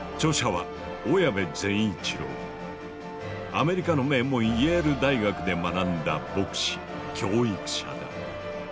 著者はアメリカの名門イェール大学で学んだ牧師・教育者だ。